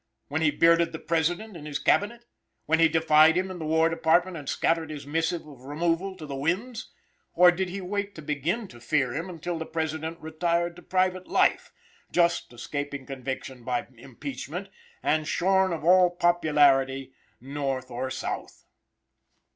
When he bearded the President in his Cabinet? When he defied him in the War Department, and scattered his missive of removal to the winds? Or did he wait to begin to fear him until the President retired to private life, just escaping conviction by impeachment, and shorn of all popularity North or South?